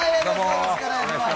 よろしくお願いします。